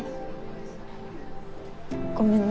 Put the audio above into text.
ごめんね。